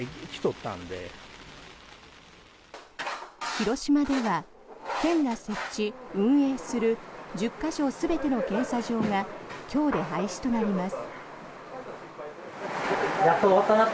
広島では県が設置・運営する１０か所全ての検査場が今日で廃止となります。